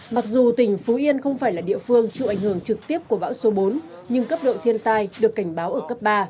mặc dù tỉnh phú yên không phải là địa phương chịu ảnh hưởng trực tiếp của bão số bốn nhưng cấp độ thiên tai được cảnh báo ở cấp ba